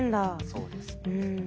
そうですね。